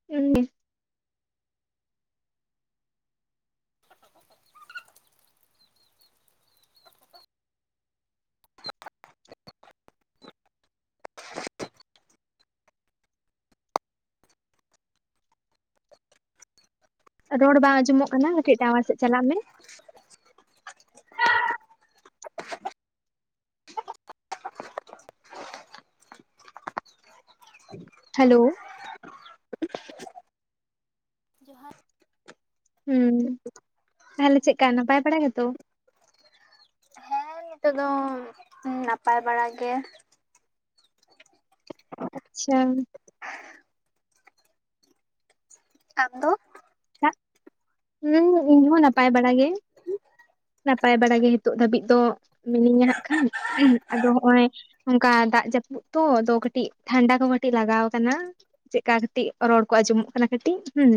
[unintelligible] ᱨᱚᱲ ᱵᱟᱝ ᱟᱸᱡᱚᱢᱚᱜ ᱠᱟᱱᱟ ᱠᱟᱹᱴᱤᱡ ᱴᱟᱣᱟᱨ ᱥᱮᱫ ᱪᱟᱞᱟᱜ ᱢᱮ᱾ ᱦᱮᱞᱳ ᱡᱚᱦᱟᱨ ᱦᱮᱸ ᱛᱟᱦᱚᱞᱮ ᱪᱮᱫᱠᱟ ᱱᱟᱯᱟᱭ ᱵᱟᱲᱟ ᱜᱮᱛᱚ? ᱦᱮᱸ ᱱᱤᱛᱚᱜ ᱫᱚ ᱱᱟᱯᱟᱭ ᱵᱟᱲᱟ ᱜᱮ᱾ ᱟᱪᱪᱷᱟ ᱟᱢ ᱫᱚ? ᱦᱩᱸ ᱤᱧ ᱦᱚ ᱱᱟᱯᱟᱭ ᱵᱟᱲᱟ ᱜᱮ᱾ ᱱᱟᱯᱟᱭ ᱵᱟᱲᱟ ᱜᱮ ᱱᱤᱛᱚᱜ ᱫᱷᱟᱹᱵᱤᱡ ᱫᱚ ᱢᱤᱱᱟᱹᱧᱟ ᱦᱟᱸᱜ ᱠᱷᱟᱱ, ᱟᱫᱚ ᱦᱚᱜ-ᱚᱭ ᱚᱱᱠᱟ ᱫᱟᱜ ᱡᱟᱹᱯᱩᱫ ᱛᱚ ᱟᱫᱚ ᱠᱟᱹᱴᱤᱡ ᱴᱷᱟᱱᱰᱟ ᱠᱚ ᱠᱟᱹᱴᱤᱡ ᱞᱟᱜᱟᱣ ᱠᱟᱱᱟ᱾ ᱪᱮᱫᱠᱟ ᱠᱟᱹᱴᱤᱡ ᱨᱚᱲ ᱠᱚ ᱟᱡᱚᱢᱚᱜ ᱠᱟᱱᱟ ᱠᱟᱹᱴᱤᱡ ᱦᱩᱸ᱾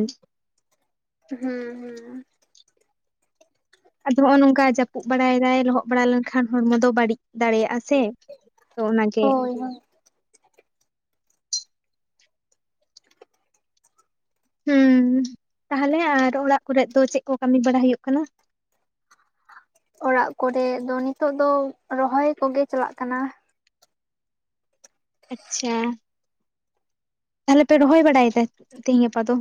ᱦᱩ ᱦᱩ ᱟᱫᱚ ᱦᱚᱦᱚᱜ ᱱᱚᱝᱠᱟ ᱡᱟᱯᱩᱜ ᱵᱟᱲᱟᱭ ᱫᱟᱭ ᱞᱚᱦᱚᱜ ᱵᱟᱲᱟ ᱞᱮᱱᱠᱷᱟᱱ ᱦᱚᱲᱢᱚ ᱫᱚ ᱵᱟᱹᱲᱤᱡ ᱫᱟᱲᱮᱭᱟᱜ-ᱟ ᱥᱮ ᱛᱚ ᱚᱱᱟ ᱜᱮ ᱦᱳᱭ ᱦᱳᱭ ᱦᱩ ᱛᱟᱞᱦᱮ ᱟᱨ ᱚᱲᱟᱜ ᱠᱚᱨᱮᱜ ᱫᱚ ᱪᱮᱜ ᱠᱚ ᱠᱟᱢᱤ ᱵᱟᱲᱟ ᱦᱩᱭᱩᱜ ᱠᱟᱱᱟ? ᱚᱲᱟᱜ ᱠᱚᱨᱮᱜ ᱫᱚ ᱱᱤᱛᱚᱜ ᱫᱚ ᱨᱚᱦᱚᱭ ᱠᱚᱜᱮ ᱪᱟᱞᱟᱜ ᱠᱟᱱᱟ ᱟᱪᱷᱟ ᱛᱟᱦᱮᱞᱮ ᱯᱮ ᱨᱚᱦᱚᱭ ᱵᱟᱲᱟᱭᱮ ᱫᱟ ᱛᱮᱦᱮᱧ ᱜᱟᱯᱟ ᱫᱚ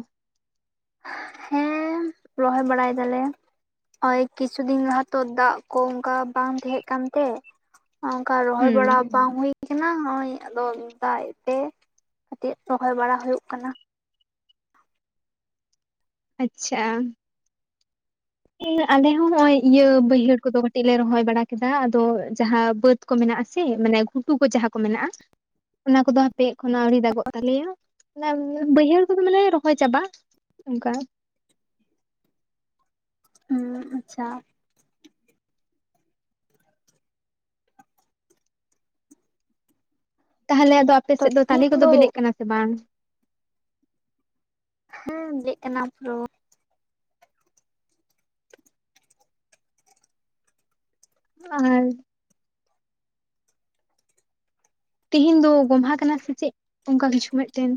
ᱦᱮᱸ ᱨᱚᱦᱚᱭ ᱵᱟᱲᱟᱭ ᱫᱟᱞᱮ ᱚᱭ ᱠᱤᱪᱷᱩ ᱫᱤᱱ ᱞᱟᱦᱟ ᱛᱚ ᱫᱟᱜ ᱠᱚ ᱚᱝᱠᱟ ᱵᱟᱝ ᱛᱟᱦᱮᱸᱜ ᱠᱟᱱ ᱛᱮ ᱚᱝᱠᱟ ᱨᱚᱦᱚᱭ ᱦᱩᱸ ᱵᱟᱲᱟ ᱵᱟᱝ ᱦᱩᱭ ᱠᱟᱱᱟ ᱦᱚᱜᱭ ᱟᱫᱚ ᱫᱟᱜ-ᱮᱜ ᱛᱮ ᱠᱟᱹᱴᱤᱡ ᱨᱚᱦᱚᱭ ᱵᱟᱲᱟ ᱦᱩᱭᱩᱜ ᱠᱟᱱᱟ ᱟᱪᱷᱟ ᱟᱞᱮ ᱦᱚᱸ ᱦᱚᱜ-ᱚᱭ ᱤᱭᱟᱹ ᱵᱟᱹᱭᱦᱟᱹᱲ ᱠᱚᱫᱚ ᱠᱟᱹᱴᱤᱡ ᱞᱮ ᱨᱚᱦᱚᱭ ᱵᱟᱲᱟ ᱠᱮᱫᱟ ᱟᱫᱚ ᱡᱟᱦᱟᱸ ᱵᱟᱹᱫᱽ ᱠᱚ ᱢᱮᱱᱟᱜ-ᱟ ᱥᱮ ᱢᱟᱱᱮ ᱜᱷᱩᱴᱩ ᱠᱚ ᱡᱟᱦᱟᱸ ᱠᱚ ᱢᱮᱱᱟᱜ-ᱟ ᱚᱱᱟ ᱠᱚᱫᱚ ᱦᱟᱯᱮ ᱮᱠᱷᱳᱱᱚ ᱟᱹᱣᱨᱤ ᱫᱟᱜᱚᱜ ᱛᱟᱞᱮᱭᱟ ᱚᱱᱟ ᱵᱟᱹᱭᱦᱟᱹᱲ ᱠᱚᱫᱚᱞᱮ ᱨᱚᱦᱚᱭ ᱪᱟᱵᱟ ᱚᱝᱠᱟ ᱦᱩᱸ ᱟᱪᱷᱟ ᱛᱟᱦᱚᱞᱮ ᱟᱫᱚ ᱟᱯᱮ ᱛᱚ ᱥᱮᱫ ᱫᱚ ᱛᱟᱞᱮ ᱛᱤᱦᱤᱧ ᱠᱚᱫᱚ ᱵᱤᱞᱤᱜ ᱠᱟᱱᱟ ᱥᱮ ᱵᱟᱝ ᱦᱩ ᱵᱤᱞᱤᱜ ᱠᱟᱱᱟ ᱛᱚ ᱟ ᱦᱚᱭ ᱛᱤᱦᱤᱧ ᱫᱚ ᱜᱚᱢᱦᱟ ᱠᱟᱱᱟ ᱥᱮ ᱪᱮᱜ ᱚᱝᱠᱟ ᱠᱤᱪᱷᱩ ᱢᱤᱫᱴᱮᱱ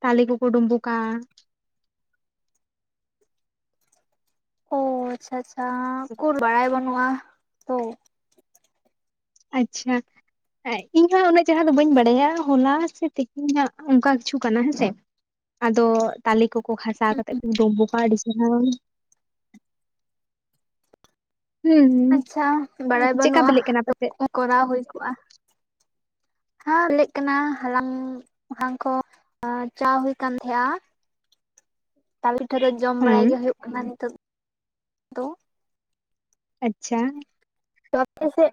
ᱛᱟᱞᱮ ᱠᱚᱠᱚ ᱰᱩᱢᱩᱜᱟ ᱚ ᱟᱪᱷᱟ ᱟᱪᱷᱟ ᱩᱠᱩᱨ ᱵᱟᱲᱟᱭ ᱵᱟᱹᱱᱩᱜ-ᱟ ᱛᱚ ᱟᱪᱷᱟ ᱮᱭ ᱤᱧ ᱦᱚ ᱩᱱᱟᱹᱜ ᱪᱮᱦᱮᱨᱟ ᱫᱚ ᱵᱟᱹᱧ ᱵᱟᱰᱟᱭᱟ ᱦᱚᱞᱟ ᱥᱮ ᱛᱮᱦᱼᱼ ᱤᱧᱟᱜ ᱚᱝᱠᱟ ᱠᱤᱪᱷᱩ ᱠᱟᱱᱟ ᱦᱮᱸᱥᱮ ᱟᱫᱚ ᱛᱟᱞᱮ ᱠᱚ ᱠᱚ ᱠᱷᱟᱥᱟ ᱠᱟᱛᱮᱜ ᱠᱚ ᱰᱚᱠᱵᱚᱠᱟᱜᱟ ᱟᱹᱰᱤ ᱪᱮᱦᱮᱨᱟ ᱦᱩᱸ ᱟᱪᱷᱟ ᱵᱟᱰᱟᱭ ᱪᱮᱫᱠᱟ ᱵᱟᱹᱱᱩᱜ-ᱟ ᱵᱤᱞᱤᱜ ᱠᱟᱱᱟ ᱛᱚ ᱯᱟᱥᱮᱡ ᱠᱚᱨᱟᱣ ᱦᱚᱭ ᱠᱚᱜ-ᱟ ᱦᱟ-ᱞᱮᱜ ᱠᱟᱱᱟ ᱦᱟᱞᱟᱝ ᱦᱟᱞᱟᱝ ᱠᱚ ᱪᱟ ᱦᱩᱭ ᱠᱟᱱ ᱛᱟᱦᱮᱸᱜ-ᱟ ᱛᱟᱞᱮ ᱴᱷᱟᱹᱠᱟᱹᱜ ᱡᱚᱢ ᱵᱟᱲᱟᱭ ᱦᱩᱸ ᱜᱮ ᱦᱩᱭᱩᱜ ᱠᱟᱱᱟ ᱱᱤᱛᱚᱜ ᱫᱚ ᱟᱪᱷᱟ ᱛᱚ ᱟᱯᱮ ᱥᱮᱜ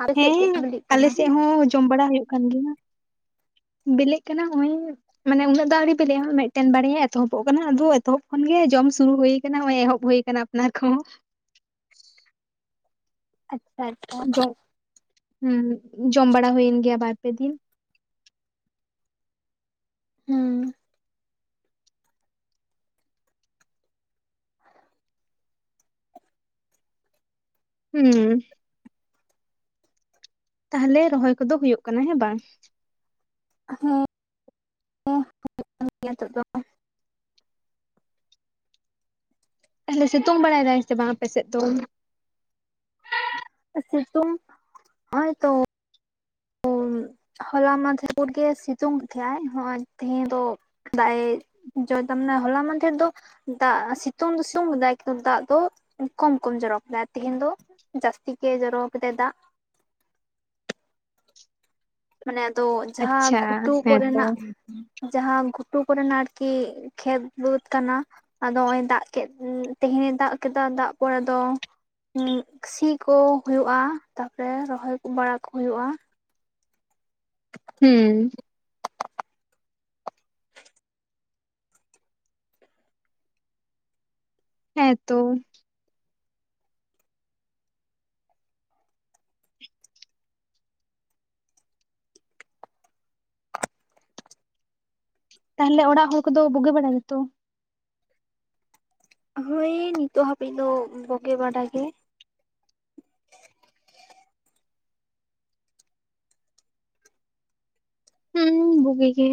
ᱟᱯᱮ ᱦᱮ ᱥᱮᱫ ᱪᱮᱫ ᱠᱚ ᱵᱤᱞᱤᱜ ᱟᱞᱮ ᱠᱟᱱᱟ ᱥᱮᱫ ᱦᱚ ᱡᱚᱢ ᱵᱟᱲᱟ ᱦᱩᱭᱩᱜ ᱠᱟᱱ ᱜᱮᱭᱟ ᱵᱮᱞᱮᱜ ᱠᱟᱱᱟ ᱚᱜᱚᱭ ᱢᱟᱱᱮ ᱩᱱᱟᱹᱜ ᱫᱚ ᱟᱣᱨᱤ ᱵᱤᱞᱤᱜ-ᱟ ᱢᱤᱫᱴᱮᱱ ᱵᱟᱨᱭᱟ ᱮᱛᱚᱦᱚᱵᱚᱜ ᱠᱟᱱᱟ ᱟᱫᱚ ᱮᱛᱚᱦᱚᱵ ᱠᱷᱚᱱ ᱜᱮ ᱡᱚᱢ ᱥᱩᱨᱩ ᱦᱩᱭ ᱠᱟᱱᱟ ᱦᱚᱜᱚᱭ ᱮᱦᱚᱵ ᱦᱩᱭ ᱠᱟᱱᱟ [unintelligible] ᱟᱪᱷᱟ ᱟᱪᱷᱟ ᱦᱩ ᱡᱚᱢ ᱵᱟᱲᱟ ᱦᱩᱭᱮᱱ ᱜᱮᱭᱟ ᱵᱟᱨ ᱯᱮ ᱫᱤᱱ ᱦᱩ ᱦᱩ ᱛᱟᱦᱮᱞᱮ ᱨᱚᱦᱚᱭ ᱠᱚᱫᱚ ᱦᱩᱭᱩᱜ ᱠᱟᱱᱟ ᱦᱮ ᱵᱟᱝ ᱦᱩ ᱦᱩ ᱦᱩᱭᱩᱜ ᱠᱟᱱ ᱜᱮᱭᱟ ᱱᱤᱛᱚᱜ ᱫᱚ [inaudible] ᱛᱟᱞᱦᱮ ᱥᱤᱛᱩᱝ ᱵᱟᱲᱟᱭ ᱫᱟᱭ ᱥᱮ ᱵᱟᱝ ᱟᱯᱮ ᱥᱮᱫ ᱫᱚ ᱥᱤᱛᱩᱝ ᱦᱚᱜ-ᱚᱭ ᱛᱚ [unintelligible] ᱦᱚᱞᱟ ᱢᱟᱫᱷᱮᱨ [inaudible] ᱜᱮ ᱥᱤᱛᱩᱝ ᱮᱜ ᱛᱟᱦᱮ ᱟᱭ ᱦᱚᱜ-ᱚᱭ ᱛᱮᱦᱮᱧ ᱫᱚ ᱫᱟᱜ-ᱮ ᱡᱚ ᱫᱟ ᱢᱟᱱᱮ ᱦᱚᱞᱟ ᱢᱟᱫᱮᱨ ᱫᱚ ᱫᱟᱜ ᱥᱤᱛᱩᱝ ᱫᱚ ᱥᱩᱝ ᱫᱟᱭ ᱠᱤᱱᱛᱩ ᱫᱟᱜ ᱫᱚ ᱠᱚᱢ ᱠᱚᱢ ᱡᱚᱨᱚ ᱠᱮᱫᱟᱭ ᱛᱮᱦᱮᱧ ᱫᱚ ᱡᱟᱹᱥᱛᱤ ᱜᱮ ᱡᱚᱨᱚ ᱟᱠᱟᱫᱟᱭ ᱫᱟᱜ᱾ ᱢᱟᱱᱮ ᱟᱫᱚ, ᱡᱟᱦᱟᱸ ᱟᱪᱪᱷᱟ ᱜᱷᱩᱴᱩ ᱠᱚᱨᱮ ᱦᱮᱸᱛᱚ ᱱᱟᱜᱼᱼ ᱡᱟᱦᱟᱸ ᱜᱷᱩᱴᱩ ᱠᱚᱨᱮᱱᱟᱜ ᱟᱨᱠᱤ ᱠᱷᱮᱛ ᱵᱟᱹᱫᱽ ᱠᱟᱱᱟ᱾ ᱟᱫᱚ ᱦᱚᱜᱼᱚᱭ ᱫᱟᱜ ᱠᱮᱫ, ᱛᱮᱦᱮᱧᱮ ᱫᱟᱜ ᱠᱮᱫᱟ᱾ ᱫᱟᱜ ᱯᱚᱨ ᱫᱚᱼᱼ ᱥᱤ ᱠᱚ ᱦᱩᱭᱚᱜ-ᱟ᱾ ᱛᱟᱯᱚᱨ ᱨᱚᱦᱚᱭ ᱵᱟᱲᱟ ᱠᱚ ᱦᱩᱭᱩᱜᱼᱟ᱾ [inaudible] ᱦᱩᱸ ᱦᱮᱸ ᱛᱚ᱾ ᱛᱟᱦᱚᱞᱮ ᱚᱲᱟᱜ ᱦᱚᱲ ᱠᱚᱫᱚ ᱵᱳᱜᱮ ᱵᱟᱲᱟ ᱜᱮᱛᱚ? ᱦᱳᱭ ᱱᱤᱛᱚᱜ ᱦᱟᱹᱵᱤᱡ ᱫᱚ ᱵᱳᱜᱮ ᱵᱟᱰᱟ ᱜᱮ᱾ ᱦᱩᱸ ᱵᱩᱜᱤ ᱜᱮ᱾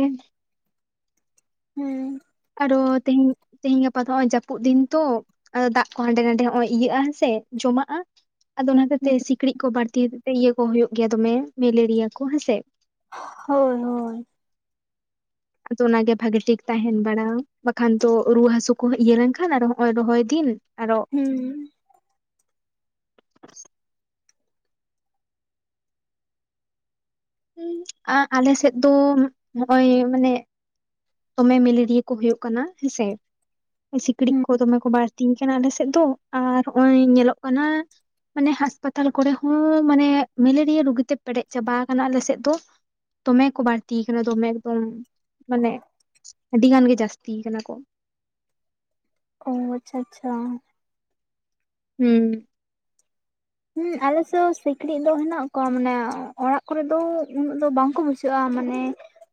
ᱦᱮᱸ ᱟᱨᱚ ᱛᱮᱦᱤᱧ, ᱛᱮᱦᱮᱧ ᱜᱟᱯᱟ ᱫᱚ ᱦᱚᱜᱚᱭ ᱡᱟᱹᱯᱩᱫ ᱫᱤᱱ ᱛᱚ᱾ ᱟᱫᱚ ᱫᱟᱜ ᱠᱚ ᱦᱟᱸᱰᱮ ᱱᱟᱰᱮ ᱦᱚᱜᱼᱚᱭ ᱤᱭᱟᱹᱜᱼᱟ ᱦᱮᱸ ᱥᱮ, ᱡᱚᱢᱟᱜᱼᱟ᱾ ᱟᱫᱚ ᱚᱱᱟ ᱦᱚᱛᱮᱡ ᱛᱮ ᱥᱤᱠᱲᱤᱡ ᱠᱚ ᱵᱟᱹᱲᱛᱤ ᱦᱚᱛᱮᱡ ᱛᱮ, ᱤᱭᱟᱹ ᱠᱚ ᱦᱳᱭᱳᱜ ᱜᱮᱭᱟ ᱫᱚᱢᱮ, ᱢᱮᱞᱮᱨᱤᱭᱟ ᱠᱚ ᱦᱮᱸ ᱥᱮ᱾ ᱦᱳᱭ, ᱦᱳᱭ᱾ ᱟᱫᱚ ᱚᱱᱟᱜᱮ ᱵᱷᱟᱜᱮ ᱴᱷᱤᱠ ᱛᱟᱦᱮᱱ ᱵᱟᱲᱟ᱾ ᱵᱟᱠᱷᱟᱱ ᱛᱚ ᱨᱩᱭᱟᱹ ᱦᱟᱥᱩ ᱠᱚ ᱤᱭᱟᱹ ᱞᱮᱱᱠᱷᱟᱱ ᱟᱨᱚ ᱦᱚᱸᱜ ᱚᱭ ᱨᱚᱦᱚᱭ ᱫᱤᱱ᱾ ᱟᱨᱚᱼᱼ ᱦᱩᱸ [unintelligible] ᱟᱞᱮ ᱥᱮᱫ ᱫᱚ ᱦᱚᱜᱼᱚᱭ ᱢᱟᱱᱮᱼᱼ ᱫᱚᱢᱮ ᱢᱮᱞᱮᱨᱤᱭᱟᱹ ᱠᱚ ᱦᱳᱭᱳᱜ ᱠᱟᱱᱟ ᱦᱮᱸ ᱥᱮ, ᱥᱤᱠᱲᱤᱡ ᱦᱩᱸ ᱠᱚ ᱫᱚᱢᱮ ᱠᱚ ᱵᱟᱨᱼᱼ ᱛᱤᱧ ᱠᱟᱱᱟ ᱟᱞᱮᱥᱮᱫ ᱫᱚ᱾ ᱟᱨ ᱦᱚᱜᱼᱚᱭ ᱧᱮᱞᱚᱜ ᱠᱟᱱᱟ᱾ ᱢᱟᱱᱮ ᱦᱟᱸᱥᱯᱟᱛᱟᱞ ᱠᱚᱨᱮ ᱦᱚᱸ ᱢᱟᱱᱮ ᱢᱮᱞᱮᱨᱤᱭᱟᱹ ᱨᱩᱜᱤᱛᱮ ᱯᱮᱨᱮᱡ ᱪᱟᱵᱟ ᱠᱟᱱᱟ ᱟᱞᱮ ᱥᱮᱫ ᱫᱚ᱾ ᱫᱚᱢᱮ ᱠᱚ ᱵᱟᱹᱲᱛᱤ ᱠᱟᱱᱟ᱾ ᱫᱚᱢᱮ ᱮᱠᱫᱚᱢ, ᱢᱟᱱᱮᱼᱼ ᱟᱹᱰᱤ ᱜᱟᱱ ᱜᱮ ᱡᱟᱹᱥᱛᱤ ᱠᱟᱱᱟ ᱠᱚ᱾ ᱚ ᱟᱪᱪᱷᱟ, ᱟᱪᱪᱷᱟ᱾ ᱦᱩᱸ ᱦᱮᱸ ᱟᱞᱮᱥᱮᱫ ᱦᱚᱸ ᱥᱤᱠᱲᱤᱡ ᱫᱚ ᱦᱮᱱᱟᱜ ᱠᱚᱣᱟ ᱢᱟᱱᱮ, ᱚᱲᱟᱜ ᱠᱚᱨᱮ ᱫᱚ ᱩᱱᱟᱹᱜ ᱫᱚ ᱵᱟᱝᱠᱚ ᱵᱩᱡᱷᱟᱹᱜᱼᱟ ᱢᱟᱱᱮᱼᱼ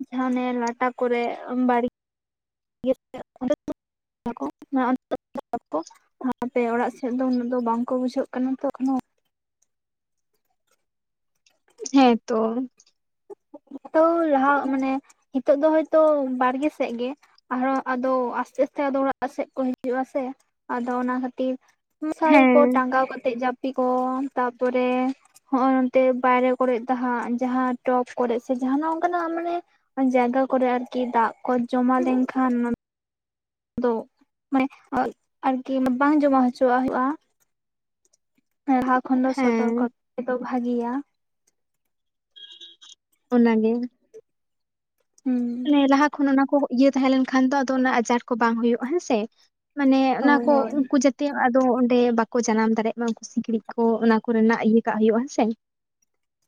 ᱡᱟᱦᱟᱸ ᱚᱱᱮ ᱞᱟᱴᱟ ᱠᱚᱨᱮ [unintelligible] [inaudible] ᱠᱚ ᱦᱟᱯᱮ ᱚᱲᱟᱜ ᱥᱮᱫ ᱫᱚ ᱩᱱᱟᱹᱜ ᱫᱚ ᱵᱟᱝ ᱠᱚ ᱵᱩᱡᱷᱟᱹᱜ ᱠᱟᱱᱟ ᱛᱚ ᱮᱠᱷᱚᱱᱳ᱾ ᱦᱮᱸ ᱛᱚ᱾ ᱛᱚ ᱞᱟᱦᱟ ᱢᱟᱱᱮ ᱦᱤᱛᱚᱜ ᱫᱚ ᱦᱚᱳᱭᱛᱳ ᱵᱟᱲᱜᱮ ᱥᱮᱫ ᱜᱮ᱾ ᱟᱨᱦᱚᱸ ᱟᱫᱚ ᱟᱥᱛᱮ ᱟᱥᱛᱮ ᱚᱲᱟᱜ ᱥᱮᱫ ᱠᱚ ᱦᱤᱡᱩᱜᱼᱟ ᱥᱮ, ᱟᱫᱚ ᱚᱱᱟ ᱠᱷᱟᱹᱛᱤᱨᱼᱼ ᱢᱚᱥᱟᱨᱤ ᱠᱚ ᱦᱮᱸ ᱴᱟᱸᱜᱟᱣ ᱠᱟᱛᱮᱜ ᱡᱟᱯᱼᱼ ᱯᱤ ᱠᱚ, ᱛᱟᱯᱚᱨᱮ ᱦᱚᱜᱼᱚᱭ ᱱᱚᱛᱮ ᱵᱟᱭᱨᱮ ᱠᱚᱨᱮᱫ ᱦᱟᱸᱜ ᱡᱟᱦᱟᱸᱼᱼ ᱴᱚᱯ ᱠᱚᱨᱮ ᱥᱮ ᱡᱟᱦᱟᱱᱟᱜ ᱚᱱᱠᱟᱱᱟᱜ ᱢᱟᱱᱮ, ᱡᱟᱭᱜᱟ ᱠᱚᱨᱮ ᱟᱨᱠᱤ ᱫᱟᱜ ᱠᱚ ᱡᱚᱢᱟ ᱞᱮᱱᱠᱷᱟᱱᱼᱼ ᱫᱚ᱾ ᱢᱟᱱᱮ ᱟᱨᱠᱤ ᱵᱟᱝ ᱡᱚᱢᱟ ᱦᱚᱪᱚᱣᱟᱜ ᱦᱳᱭᱳᱜᱼᱟ᱾ ᱞᱟᱦᱟ ᱠᱷᱚᱱ ᱫᱚ ᱥᱚᱛᱚᱨᱠᱚ ᱦᱮᱸ ᱫᱚ ᱵᱷᱟᱜᱤᱭᱟ᱾ ᱚᱱᱟᱜᱮ᱾ ᱦᱩᱸ [unintelligible] ᱞᱟᱦᱟ ᱠᱷᱚᱱ ᱚᱱᱟ ᱠᱚ ᱤᱭᱟᱹ ᱛᱟᱦᱮᱸ ᱞᱮᱱᱠᱷᱟᱱ ᱫᱚ᱾ ᱟᱫᱚ ᱚᱱᱟ ᱟᱡᱟᱨ ᱠᱚ ᱵᱟᱝ ᱦᱳᱭᱳᱜᱼᱟ ᱦᱮᱸ ᱥᱮ᱾ ‌ᱢᱟᱱᱮ ᱚᱱᱟ ᱦᱳᱭ ᱠᱚ ᱦᱳᱭ ᱩᱱᱠᱩ ᱡᱟᱛᱮᱼᱼ ᱛᱮ ᱟᱫᱚ ᱚᱸᱰᱮ ᱵᱟᱠᱚ ᱡᱟᱱᱟᱢ ᱫᱟᱲᱮᱭᱟᱜ ᱢᱟ ᱩᱱᱠᱩ ᱥᱤᱠᱲᱤᱡ ᱠᱚ ᱾ ᱚᱱᱟ ᱠᱚᱨᱮᱱᱟᱜ ᱤᱭᱟᱹ ᱠᱟᱜ ᱦᱳᱭᱳᱜᱼᱟ ᱦᱮᱸ ᱥᱮ᱾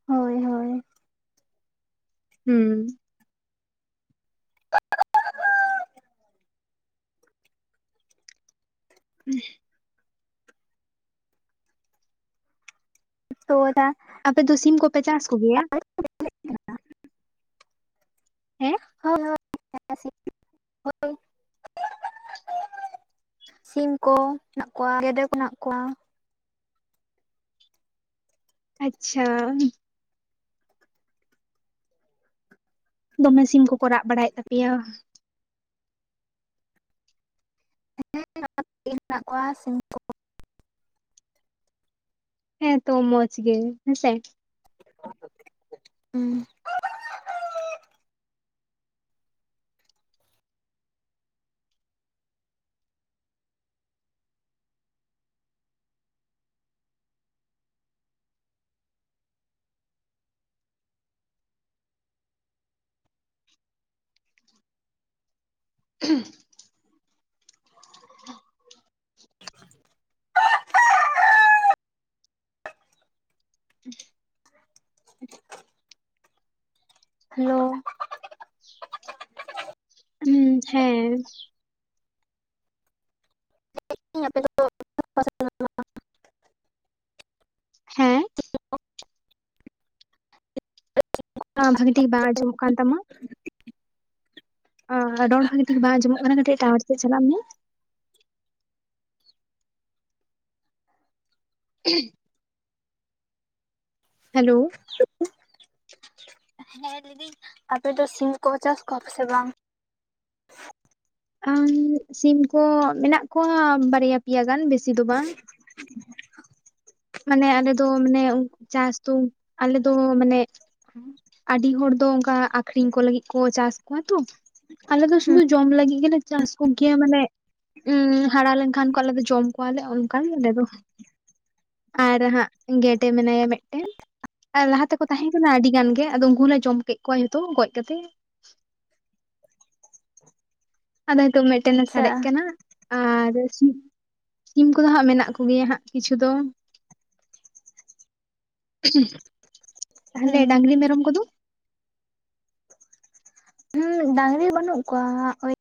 ᱦᱳᱭ, ᱦᱳᱭ᱾ ᱦᱩᱸ [inaudible] [inaudible] ᱛᱚ ᱫᱟ ᱟᱯᱮ ᱫᱚ ᱥᱤᱢ ᱠᱚᱯᱮ ᱪᱟᱥ ᱠᱚ‌ ᱜᱮᱭᱟ? ᱦᱮᱸ ᱦᱳᱭ ᱦᱳᱭ [unintelligible] ᱦᱳᱭ ᱥᱤᱢ ᱦᱮᱱᱟᱜ ᱠᱚᱣᱟ ᱜᱮᱰᱮ ᱠᱚ ᱦᱮᱱᱟᱜ ᱠᱚᱣᱟ ᱟᱪᱪᱷᱟ ᱫᱚᱢᱮ ᱥᱤᱢ ᱠᱚᱠᱚ ᱨᱟᱜ ᱵᱟᱲᱟᱭᱮᱫ ᱛᱟᱯᱮᱭᱟ [inaudible] ᱢᱮᱱᱟᱜ ᱠᱚᱣᱟ ᱥᱤᱢ ᱠᱚ, ᱦᱮᱸ ᱛᱚ ᱢᱚᱸᱡᱽ ᱜᱮ ᱦᱮᱸᱥᱮ᱾ ᱦᱩᱸ [unintelligible] [unintelligible] ᱦᱮᱞᱳ ᱦᱩᱸ, ᱦᱮᱸ ᱟᱯᱮ‌ ᱫᱚ ᱦᱮᱸ ᱵᱷᱟᱹᱜᱤ ᱴᱷᱤᱠ ᱵᱟᱝ ᱟᱸᱡᱚᱢᱚᱜ ᱠᱟᱱ ᱛᱟᱢᱟ ᱨᱚᱲ ᱵᱷᱟᱹᱜᱤ ᱴᱷᱤᱠ ᱵᱟᱝ ᱟᱸᱡᱚᱢᱚᱜ ᱠᱟᱱᱟ ᱠᱟᱹᱴᱤᱡ ᱴᱟᱣᱟᱨ ᱥᱮᱫ ᱪᱟᱞᱟᱜ ᱢᱮ [inaudible] ᱦᱮᱞᱳ ᱦᱮᱸ ᱞᱟᱹᱭ ᱫᱟᱹᱧ ᱟᱯᱮ ᱫᱚ ᱥᱤᱢ ᱠᱚ ᱪᱟᱥ ᱠᱚᱣᱟ ᱯᱮ ᱥᱮ ᱵᱟᱝ? ᱟᱨ [unintelligible] ᱥᱤᱢ ᱠᱚ ᱢᱮᱱᱟᱜ ᱠᱚᱣᱟ ᱵᱟᱨᱭᱟ ᱯᱮᱭᱟ ᱜᱟᱱ ᱵᱮᱥᱤ ᱫᱚ ᱵᱟᱝ ᱢᱟᱱᱮ ᱟᱞᱮ ᱫᱚ ᱢᱟᱱᱮ‌ ᱩᱱ ᱪᱟᱥ ᱛᱚ ᱟᱞᱮ ᱫᱚ ᱢᱟᱱᱮ ᱟᱹᱰᱤ ᱦᱚᱲ ᱫᱚ ᱚᱱᱠᱟ ᱟᱹᱠᱷᱨᱤᱧ ᱠᱚ ᱞᱟᱹᱜᱤᱫ ᱠᱚ ᱪᱟᱥ ᱠᱚᱣᱟ ᱛᱚ ᱟᱞᱮ ᱫᱚ ᱥᱩᱫᱷᱩ ᱡᱚᱢ ᱞᱟᱹᱜᱤᱫ ᱜᱮᱞᱮ ᱪᱟᱥ ᱠᱚ ᱜᱮᱭᱟ‌ ᱢᱟᱱᱮ ᱩᱸᱻ ᱦᱟᱲᱟ ᱞᱮᱱ ᱠᱷᱟᱱ ᱠᱚ ᱟᱞᱮ‌ ᱫᱚ ᱡᱚᱢ ᱠᱚᱣᱟ ᱞᱮ ᱚᱱᱠᱟᱱ ᱟᱞᱮ ᱫᱚ᱾ ᱟᱨ ᱦᱟᱸᱜ ᱜᱮᱸᱰᱮ ᱢᱮᱱᱟᱭᱟ ᱢᱤᱫᱴᱮᱱ ᱟᱨ ᱞᱟᱦᱟ ᱛᱮᱠᱚ ᱛᱟᱦᱮᱸ ᱠᱟᱱᱟ ᱟᱹᱰᱤ ᱜᱟᱱ ᱜᱮ ᱟᱫᱚ ᱩᱱᱠᱩ ᱞᱮ ᱡᱚᱢ ᱠᱮᱫ ᱠᱚᱣᱟ ᱡᱚᱛᱚ ᱜᱚᱡ ᱠᱟᱛᱮ ᱟᱫᱚ ᱱᱤᱛᱚᱜ ᱢᱤᱫᱴᱮᱱᱮ ᱟᱪᱪᱷᱟ ᱥᱟᱨᱮᱡ ᱠᱟᱱᱟ ᱟᱨ‌ ᱥᱩᱼᱼᱼ ᱥᱤᱢ ᱠᱚᱫᱚ ᱦᱟᱸᱜ ᱢᱮᱱᱟᱜ ᱠᱚ ᱜᱮᱭᱟ ᱦᱟᱸᱜ ᱠᱤᱪᱷᱩ ᱫᱚ᱾ ᱛᱟᱦᱚᱞᱮ ᱦᱩᱸ ᱰᱟᱝᱨᱤ ᱢᱮᱨᱚᱢ ᱠᱚᱫᱚ? ᱰᱟᱝᱨᱤ ᱵᱟᱹᱱᱩᱜ ᱠᱚᱣᱟ ᱳᱭ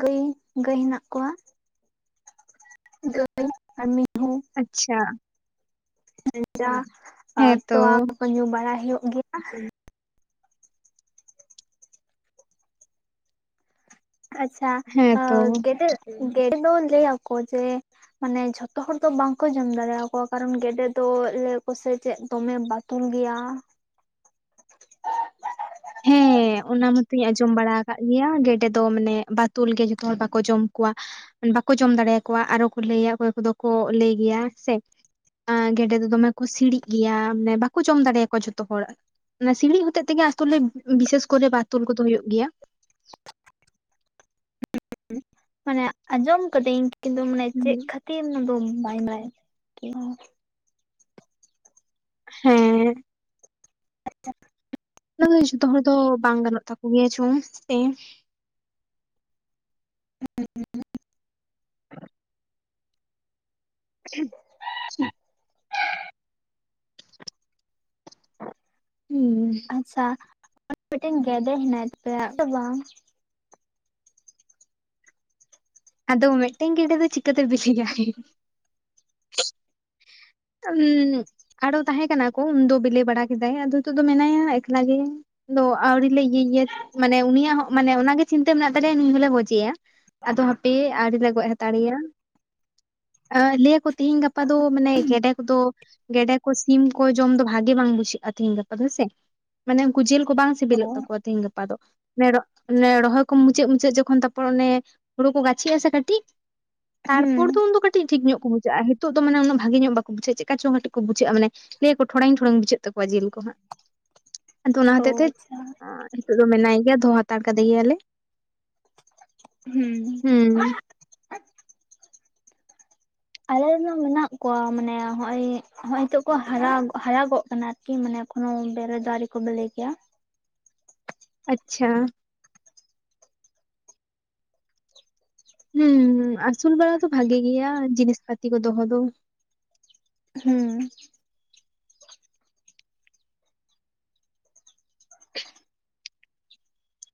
ᱜᱟᱹᱭ ᱜᱟᱹᱭ ᱦᱮᱱᱟᱜ ᱠᱚᱣᱟ᱾ ᱜᱟᱹᱭ ᱟᱨ ᱢᱤᱦᱩ᱾ ᱟᱪᱪᱷᱟ ᱪᱟ [unintelligible] ᱦᱮᱸᱛᱚ ᱛᱚᱣᱟ ᱠᱚ ᱠᱚ ᱧᱩ ᱵᱟᱲᱟᱭ ᱦᱩᱭᱩᱜ ᱜᱮᱭᱟ᱾ ᱟᱪᱪᱷᱟ ᱦᱮᱸᱛᱚ ᱜᱮᱸᱰᱮ ᱜᱮᱸᱰᱮ ᱫᱚ ᱞᱟᱹᱭ ᱟᱠᱚ ᱡᱮ ᱢᱟᱱᱮ ᱡᱷᱚᱛᱚ ᱦᱚᱲ ᱫᱚ ᱵᱟᱝᱠᱚ ᱡᱚᱢ ᱫᱟᱲᱮᱭᱟ ᱠᱚᱣᱟ ᱠᱟᱨᱚᱱ ᱜᱮᱸᱰᱮ ᱫᱚ ᱞᱟᱹᱭᱟ ᱠᱚᱥᱮ ᱪᱮᱫ ᱫᱚᱢᱮ ᱵᱟ- ᱛᱩᱞ ᱜᱮᱭᱟ᱾ ᱦᱮᱸᱻ ᱚᱱᱟ ᱢᱟᱛᱚᱧ ᱟᱸᱡᱚᱢ ᱵᱟᱲᱟ ᱟᱠᱟᱫ ᱜᱮᱭᱟ ᱜᱮᱸᱰᱮ ᱫᱚ ᱢᱟᱱᱮ ᱵᱟᱛᱩᱞ ᱜᱮ ᱡᱚᱛᱚ ᱦᱚᱲ ᱵᱟᱠᱚ ᱡᱚᱢ ᱠᱚᱣᱟ᱾ ᱵᱟᱠᱚ ᱡᱚᱢ ᱫᱟᱲᱮᱭᱟ ᱠᱚᱣᱟ ᱟᱨᱚ ᱠᱚ ᱞᱟᱹᱭᱟ ᱚᱠᱚᱭ ᱠᱚᱫᱚ ᱠᱚ ᱞᱟᱹᱭ ᱜᱮᱭᱟ ᱥᱮ ᱜᱮᱸᱰᱮ ᱫᱚ ᱫᱚᱢᱮ ᱠᱚ ᱥᱤᱲᱤᱜ ᱜᱮᱭᱟ ᱢᱟᱱᱮ ᱵᱟᱠᱚ ᱡᱚᱢ ᱫᱟᱲᱮᱭᱟ ᱠᱚᱣᱟ ᱡᱷᱚᱛᱚ ᱦᱚᱲ ᱚᱱᱟ ᱥᱤᱲᱤᱡ ᱦᱚᱛᱮᱡ ᱛᱮᱜᱮ ᱟᱥᱚᱞᱮ ᱵᱤᱥᱮᱥ ᱠᱚᱨᱮ ᱵᱟᱛᱚᱞ ᱠᱚᱫᱚ ᱦᱩᱭᱩᱜ ᱜᱮᱭᱟ᱾ ᱢᱟᱱᱮ ᱟᱸᱡᱚᱢ ᱠᱟᱹᱫᱟᱹᱧ ᱠᱤᱱᱛᱩ ᱢᱟᱱᱮ ᱦᱩᱸ ᱪᱮᱫ ᱠᱷᱟᱹᱛᱤᱨ ᱚᱱᱟ ᱫᱚ ᱵᱟᱧ ᱵᱟᱲᱟᱭᱟ᱾ [unintelligible] ᱦᱮᱸ ᱾ [unintelligible] ᱚᱱᱟ ᱜᱮ ᱡᱚᱛᱚ ᱦᱚᱲ ᱫᱚ ᱵᱟᱝ ᱜᱟᱱᱚᱜ ᱛᱟᱠᱚ ᱜᱮᱭᱟ ᱪᱚᱝ [unintelligible] ᱥᱮ, [unintelligible] [unintelligible] ᱦᱩᱸ ᱟᱪᱪᱷᱟ ᱢᱤᱫᱴᱮᱱ ᱜᱮᱸᱰᱮ ᱦᱮᱱᱟᱭ ᱛᱟᱯᱮᱭᱟ ᱟᱫᱚ ᱵᱟᱝ ᱾ ᱟᱫᱚ ᱢᱤᱫᱴᱮᱱ ᱜᱮᱸᱰᱮ ᱫᱚ ᱪᱤᱠᱟᱹᱛᱮ ᱵᱤᱞᱤᱭᱟᱭ? [unintelligible] ᱟᱨᱚ ᱛᱟᱦᱮᱸ ᱠᱟᱱᱟ ᱠᱚ ᱩᱱ ᱫᱚ ᱵᱤᱞᱤ ᱵᱟᱲᱟ ᱠᱮᱫᱟᱭ ᱟᱫᱚ ᱱᱤᱛᱚᱜ ᱫᱚ ᱢᱮᱱᱟᱭᱟ ᱮᱠᱞᱟ ᱜᱮ᱾ ᱟᱫᱚ ᱟᱣᱨᱤ ᱞᱮ ᱤᱭᱟᱹᱭᱭᱟ ᱢᱟᱱᱮ ᱩᱱᱤᱭᱟᱜ ᱦᱚᱸ ᱢᱟᱱᱮ ᱚᱱᱟᱜᱮ ᱪᱤᱱᱛᱟᱹ ᱢᱮᱱᱟᱜ ᱛᱟᱞᱮᱭᱟ ᱱᱩᱭ ᱦᱚᱸᱞᱮ ᱜᱚᱡᱮᱭᱟ ᱾ ᱟᱫᱚ ᱦᱟᱯᱮ ᱟᱣᱨᱤ ᱞᱮ ᱜᱚᱡ ᱦᱟᱛᱟᱲᱮᱭᱟ᱾ ᱞᱟᱹᱭ ᱟᱠᱚ ᱛᱮᱦᱤᱧ ᱜᱟᱯᱟ ᱫᱚ ᱢᱟᱱᱮ ᱜᱮᱰᱮ ᱠᱚᱫᱚ ᱜᱮᱰᱮ ᱠᱚ ᱥᱤᱢ ᱠᱚ ᱡᱚᱢ ᱫᱚ ᱵᱷᱟᱜᱤ ᱵᱟᱝ ᱵᱩᱡᱷᱟᱹᱜᱼᱟ ᱛᱤᱦᱤᱧ ᱜᱟᱯᱟ ᱫᱚ ᱦᱮᱸᱥᱮ, ᱢᱟᱱᱮ ᱩᱱᱠᱩ ᱡᱤᱞ ᱠᱚ ᱵᱟᱝ ᱥᱤᱵᱤᱞᱚᱜ ᱛᱟᱠᱚᱣᱟ ᱛᱮᱦᱤᱧ ᱜᱟᱯᱟ ᱫᱚ, ᱚᱱᱮ ᱨᱚᱦᱚᱭ ᱠᱚ ᱢᱩᱪᱟᱹᱫ ᱢᱩᱪᱟᱹᱫ ᱡᱚᱠᱷᱚᱱ ᱛᱟᱨᱯᱚᱨ ᱮ ᱦᱩᱲᱩ ᱠᱚ ᱜᱟᱪᱷ ᱜᱟᱪᱷᱤ ᱟᱥᱮ ᱠᱟᱹᱴᱤᱡ ᱛᱟᱨᱯᱚᱨ ᱦᱩᱸ ᱫᱚ ᱩᱱ ᱫᱚ ᱠᱟᱹᱴᱤᱡ ᱠᱟᱴᱤᱡ ᱴᱷᱤᱠ ᱧᱚᱜ ᱠᱚ ᱵᱩᱡᱷᱼᱟ ᱱᱤᱛᱳ ᱫᱚ ᱢᱟᱱᱮ ᱩᱱᱟᱹ ᱵᱷᱟᱹᱜᱤ ᱧᱚᱜ ᱵᱟᱠᱚᱩᱡᱷᱟᱹᱜᱼᱟ ᱪᱮᱜ ᱠᱟ ᱪᱚᱝ ᱠᱟᱹᱴᱤᱡ ᱵᱩᱡᱷᱟᱹᱜᱼᱟ ᱢᱟᱱᱮ᱾ ᱞᱟᱹᱭ ᱟᱠᱚ ᱴᱷᱚᱲᱮᱝ ᱴᱷᱚᱲᱮᱝ ᱵᱩᱡᱟᱹᱜ ᱛᱟᱠᱚᱣᱟ ᱡᱤᱞ ᱠᱚ ᱦᱟᱸᱜ᱾ ᱟᱫᱚ ᱚᱱᱟ ᱚ ᱦᱚᱛᱮᱡ ᱛᱮ ᱟᱪᱪᱷᱟ ᱱᱤᱛᱳᱜ ᱫᱚ ᱢᱮᱱᱟᱭ ᱜᱮᱭᱟ ᱫᱚᱦᱚ ᱦᱟᱛᱟᱲ ᱠᱟᱫᱮ ᱜᱮᱭᱟᱞᱮ᱾ ᱦᱩᱸ ᱾ ᱟᱞᱮ ᱨᱮᱱ ᱦᱚᱸ ᱢᱮᱱᱟᱜ ᱠᱚᱣᱟ ᱢᱟᱱᱮ ᱦᱚᱜᱼᱚᱭ ᱦᱚᱸᱜ ᱚᱭ ᱱᱤᱛᱚᱜ ᱠᱚ ᱦᱟᱨᱟ ᱦᱟᱨᱟᱜᱚᱜ ᱠᱟᱱᱟ ᱟᱨᱠᱤ ᱢᱟᱱᱮ ᱮᱠᱷᱚᱱᱳ ᱵᱮᱞᱮ ᱫᱚ ᱟᱣᱨᱤ ᱠᱚ ᱵᱮᱞᱮ ᱜᱮᱭᱟ᱾ ᱟᱪᱪᱷᱟ ᱾ ᱦᱮᱸ ᱟᱹᱥᱩᱞ ᱵᱟᱲᱟ ᱫᱚ ᱵᱷᱟᱜᱤ ᱜᱮᱭᱟ ᱡᱤᱱᱤᱥ ᱯᱟᱛᱤ ᱠᱚ ᱫᱚᱦᱚ ᱫᱚ ᱾ ᱦᱩᱸ ᱾